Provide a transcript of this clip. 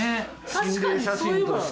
心霊写真として。